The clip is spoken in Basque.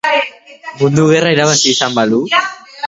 Mundu gerra irabazi izan balu?